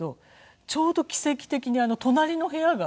ちょうど奇跡的に隣の部屋が空きまして。